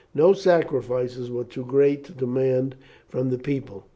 No sacrifices were too great to demand from the people.